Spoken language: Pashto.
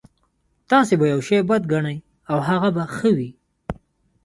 تاسې به يو شی بد ګڼئ او هغه به ښه وي.